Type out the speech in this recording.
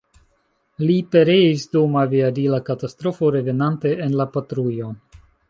Li pereis dum aviadila katastrofo revenante en la patrujon.